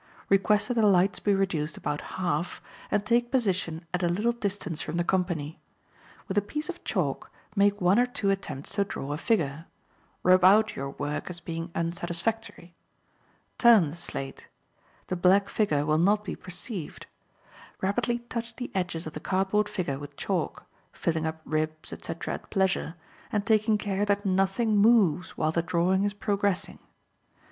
Request that the lights may be reduced about half, and take position at a little distance from the company. With a piece of chalk make one or two attempts to draw a figure; rub out your work as being unsatisfactory; turn the slate; the black figure will not be perceived; rapidly touch the edges of the cardboard figure with chalk, filling up ribs, etc., at pleasure, and taking care that nothing moves while the drawing is progressing.